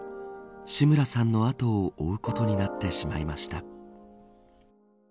志村さんの後を追うことになってしまいました。